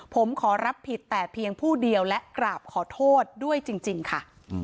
ผมขอรับผิดแต่เพียงผู้เดียวและกราบขอโทษด้วยจริงค่ะ